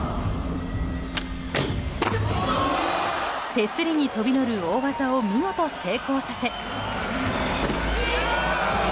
手すりに飛び乗る大技を見事成功させ。